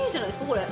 これ。